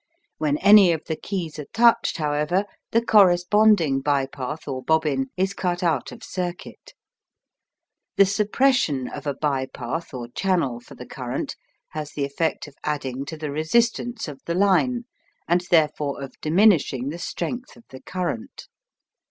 When any of the keys are touched, however, the corresponding by path or bobbin is cut out of circuit. The suppression of a by path or channel for the current has the effect of adding to the "resistance" of the line, and therefore of diminishing the strength of the current.